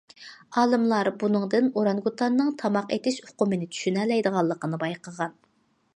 ئالىملار بۇنىڭدىن ئورانگۇتاننىڭ تاماق ئېتىش ئۇقۇمىنى چۈشىنەلەيدىغانلىقىنى بايقىغان.